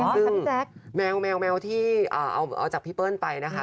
คือแมวที่เอาจากพี่เปิ้ลไปนะคะ